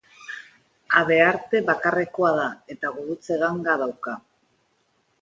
Habearte bakarrekoa da, eta gurutze-ganga dauka.